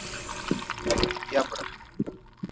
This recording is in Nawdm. Kuyabre.